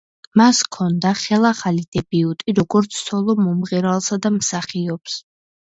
მას ჰქონდა ხელახალი დებიუტი როგორც სოლო მომღერალსა და მსახიობს.